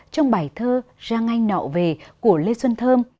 trong bài thơ giang anh nọ về của lê xuân thơm